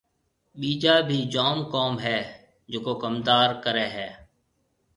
ٻِيجا ڀِي جوم ڪوم هيَ جڪو ڪمندار ڪريَ هيَ۔